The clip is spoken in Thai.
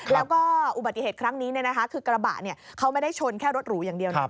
แล้วก็อุบัติเหตุครั้งนี้คือกระบะเขาไม่ได้ชนแค่รถหรูอย่างเดียวนะ